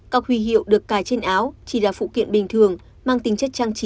cọc huy hiệu được cài trên áo chỉ là phụ kiện bình thường mang tính chất trang trí